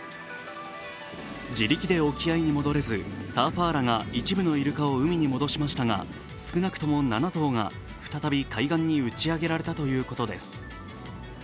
自力で沖合に戻れずサーファーらが一部のイルカを海に戻しましたが少なくとも７頭が再び海岸に打ち上げられたということです。